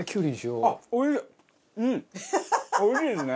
おいしいですね。